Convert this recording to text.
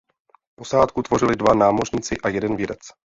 Posádku tvořili dva námořníci a jeden vědec.